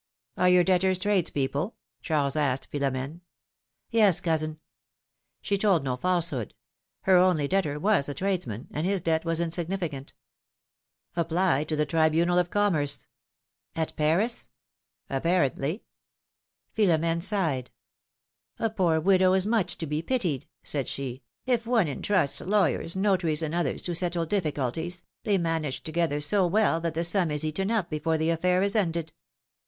^^Are your debtors tradespeople?" Charles asked Philom^ne. Yes, cousin." She told no falsehood ; her only debtor was a trades man, and his debt was insignificant. '^Apply to the Tribunal of Commerce." ^^At Paris ?" philomI^ne's marriages. 143 ^^Apparently !'' Philom^ne sighed. poor widow is much to be pitied/^ said she ; if one intrusts lawyers, notaries and others to settle difficulties, they manage together so well that the sum is eaten up before the affair is ended.